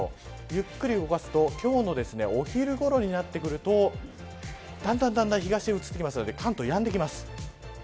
ゆっくり動かしていくと今日の昼ごろになってくるとだんだん東へ移ってくるので関東はやんできます。